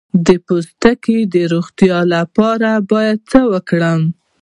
د پوستکي د روغتیا لپاره باید څه وکړم؟